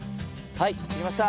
はい収穫できました！